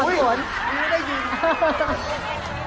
อุ๊ยไม่ได้ยิน